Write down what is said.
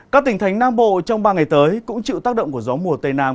các tỉnh thánh nam bộ trong ba ngày tới cũng chịu tác động của gió mùa tây nam